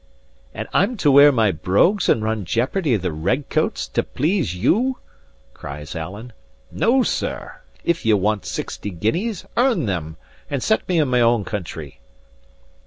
"And I'm to wear my brogues and run jeopardy of the red coats to please you?" cries Alan. "No, sir; if ye want sixty guineas earn them, and set me in my own country."